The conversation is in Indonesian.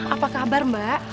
apa kabar mbak